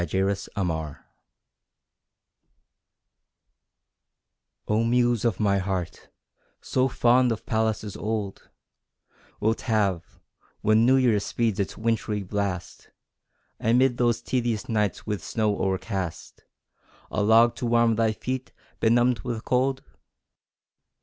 The Venal Muse Oh Muse of my heart so fond of palaces old, Wilt have when New Year speeds its wintry blast, Amid those tedious nights, with snow o'ercast, A log to warm thy feet, benumbed with cold?